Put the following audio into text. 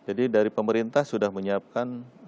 jadi dari pemerintah sudah menyiapkan mudik gratis